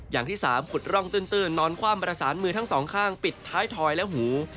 อย่างที่๓ขุดร่องตื้นนอนคว่ำประสานมือทั้งสองข้างปิดท้ายทอยและหู